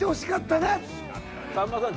さんまさん